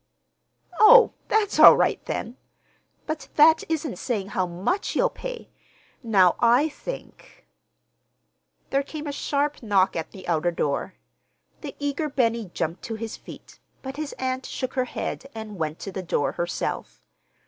"Oh, that's all right, then. But that isn't saying how much you'll pay. Now, I think—" There came a sharp knock at the outer door. The eager Benny jumped to his feet, but his aunt shook her head and went to the door herself.